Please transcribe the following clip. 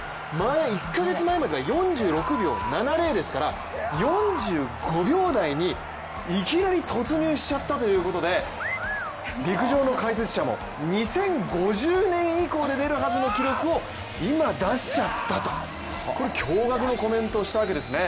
１か月前までは、４６秒７０ですから４５秒台にいきなり突入しちゃったということで陸上の解説者も２０５０年以降で出るはずの記録を今、出しちゃったと、驚がくのコメントをしたわけなんですね。